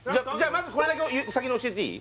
まずこれだけ先に教えていい？